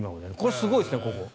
すごいですね、ここ。